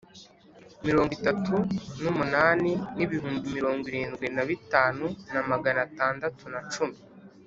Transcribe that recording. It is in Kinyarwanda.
Mirongo itatu n umunani n ibihumbi mirongo irindwi na bitanu na magana atandatu na cumi